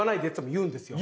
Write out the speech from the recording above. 言うんですよ。